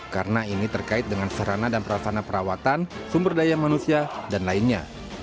karena ini terkait dengan serana dan perasana perawatan sumber daya manusia dan lainnya